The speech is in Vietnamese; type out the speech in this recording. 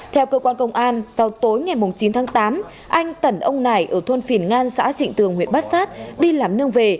theo cơ quan công an vào tối ngày chín tháng tám anh tẩn ông nải ở thôn phìn ngan xã trịnh tường huyện bát sát đi làm nương về